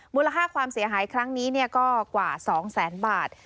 มูลค่าความเสียหายครั้งนี้ก็กว่า๒แสนบาท